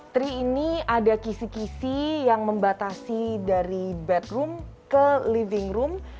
tri ini ada kisi kisi yang membatasi dari bedroom ke living room